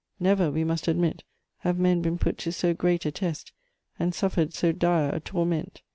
Never, we must admit, have men been put to so great a test and suffered so dire a torment.